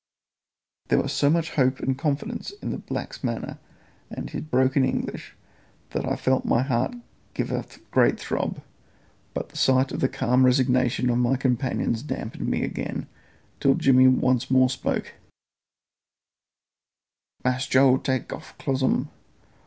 There was so much hope and confidence in the black's manner and his broken English that I felt my heart give a great throb; but a sight of the calm resignation of my companions damped me again, till Jimmy once more spoke: "Mass Joe take off closums.